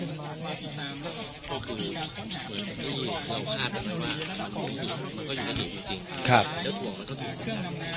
ที่ถ่วงเหมือนรามนี้